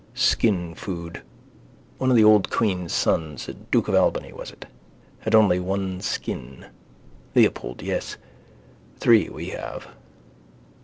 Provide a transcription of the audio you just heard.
Skinfood. One of the old queen's sons, duke of Albany was it? had only one skin. Leopold, yes. Three we have.